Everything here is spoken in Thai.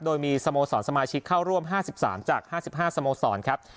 โดยมีสโมสรสมาชิกเข้าร่วมห้าสิบสามจากห้าสิบห้าสโมสรครับ